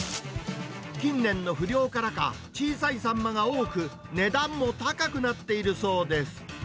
近年の不漁からか、小さいサンマが多く、値段も高くなっているそうです。